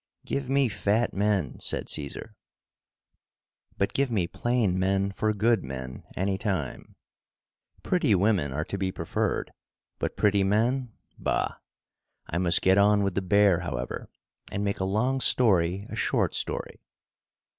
"Give me fat men," said Caesar. But give me plain men for good men, any time. Pretty women are to be preferred; but pretty men? Bah! I must get on with the bear, however, and make a long story a short story.